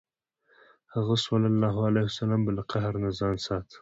هغه ﷺ به له قهر نه ځان ساته.